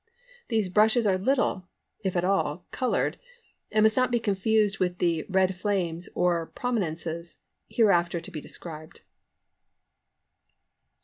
These brushes are little, if at all, coloured, and must not be confused with the "Red Flames" or "Prominences" hereafter to be described.